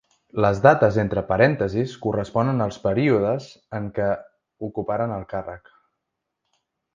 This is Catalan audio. Les dates entre parèntesis corresponen als períodes en què ocuparen el càrrec.